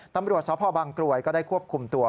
ตำรวจสพบางกรวยก็ได้ควบคุมตัว